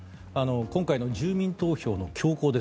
今回の住民投票の強行。